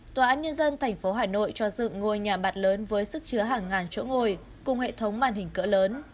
tòa án nhân dân tp hà nội cho dựng ngôi nhà bạc lớn với sức chứa hàng ngàn chỗ ngồi cùng hệ thống màn hình cỡ lớn